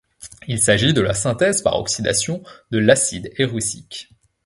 Il s'agit de la synthèse par oxydation de l'acide érucique.